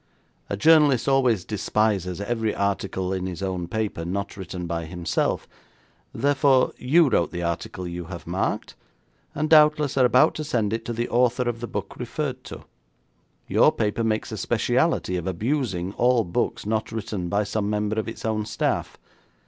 A journalist always despises every article in his own paper not written by himself; therefore, you wrote the article you have marked, and doubtless are about to send it to the author of the book referred to. Your paper makes a speciality of abusing all books not written by some member of its own staff.